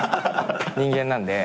人間なんで。